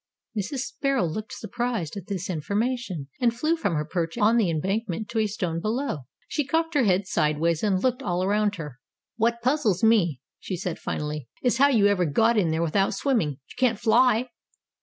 Mrs. Sparrow looked surprised at this information, and flew from her perch on the embankment to a stone below. She cocked her head sideways, and looked all around her. "What puzzles me," she said finally, "is how you ever got in there without swimming. You can't fly."